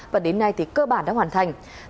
và đến nay thì cơ bản đã hoàn thành